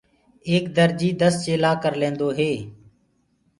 ايڪ درجي دس چيلآ ڪرليندوئي ڪآلي